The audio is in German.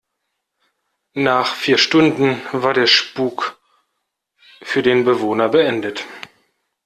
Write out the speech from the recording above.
Nach vier Stunden war der Spuck für den Bewohner beendet.